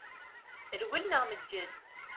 Rwel neɣ meǧǧed.